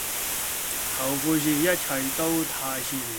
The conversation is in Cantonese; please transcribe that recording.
後悔時一切都太遲了